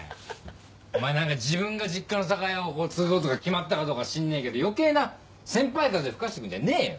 お前何か自分が実家の酒屋を継ぐことが決まったかどうか知んねえけど余計な先輩風吹かして来んじゃねえよ。